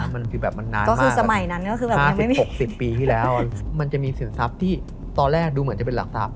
มันคือแบบมันนานมาก๕๐๖๐ปีที่แล้วมันจะมีสินทรัพย์ที่ตอนแรกดูเหมือนจะเป็นหลักทรัพย์